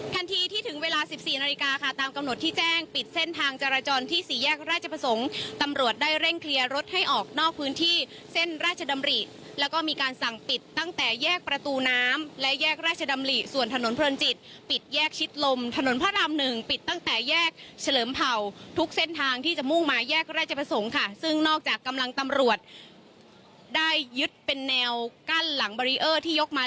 ทันทีที่ถึงเวลาสิบสี่นาฬิกาค่ะตามกำหนดที่แจ้งปิดเส้นทางจราจรที่สี่แยกราชประสงค์ตำรวจได้เร่งเคลียรถให้ออกนอกพื้นที่เส้นราชดำรีแล้วก็มีการสั่งปิดตั้งแต่แยกประตูน้ำและแยกราชดำรีส่วนถนนพลนจิตปิดแยกชิดลมถนนพระรามหนึ่งปิดตั้งแต่แยกเฉลิมเผาทุกเส้นทางที่จะมุ่งมาแยกร